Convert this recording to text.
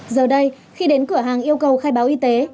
giờ đây khi đến cửa hàng yêu cầu khai báo y tế